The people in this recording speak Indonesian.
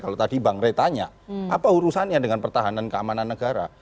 kalau tadi bang rey tanya apa urusannya dengan pertahanan keamanan negara